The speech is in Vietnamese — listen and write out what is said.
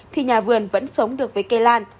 thì nhà vườn vẫn sống được với cây lan